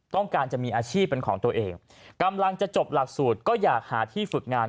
ต้องการจะมีอาชีพเป็นของตัวเองกำลังจะจบหลักสูตรก็อยากหาที่ฝึกงาน